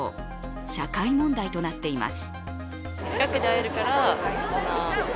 社会問題となっています。